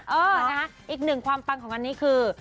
เออนะคะอีกหนึ่งความปังของอันนี้คือ